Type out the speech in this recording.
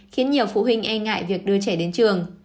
khiến nhiều phụ huynh e ngại việc đưa trẻ đến trường